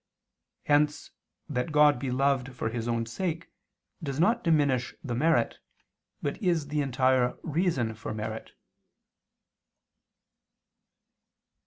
Hence that God be loved for His own sake does not diminish the merit, but is the entire reason for merit.